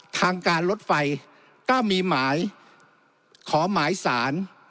ทางการรถไฟก็มีหมายขอหมายสาร